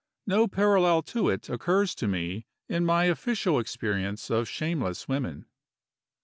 No parallel to it occurs to me in my official experience of shameless women.